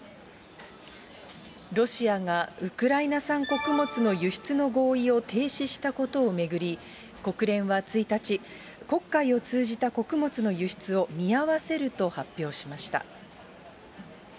ロシアがウクライナ産穀物の輸出の合意を停止したことを巡り、国連は１日、黒海を通じた穀物の輸出を見合わせると発表しました。